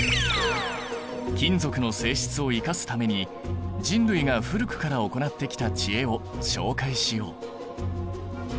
金属の性質を生かすために人類が古くから行ってきた知恵を紹介しよう。